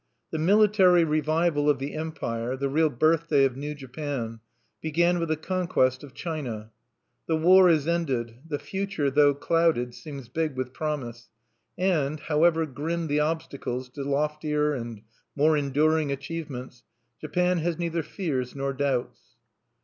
The military revival of the Empire the real birthday of New Japan began with the conquest of China. The war is ended; the future, though clouded, seems big with promise; and, however grim the obstacles to loftier and more enduring achievements, Japan has neither fears nor doubts.